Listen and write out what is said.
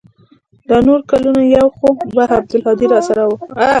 دا نور کلونه يو خو به عبدالهادي راسره و.